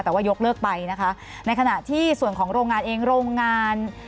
แต่ว่ายกเลิกไปนะคะในขณะที่ส่วนของโรงงานเองโรงงาน